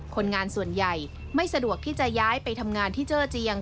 คนงานส่วนใหญ่ไม่สะดวกที่จะย้ายไปทำงานที่เจอเจียง